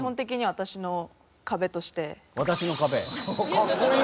「私の壁」？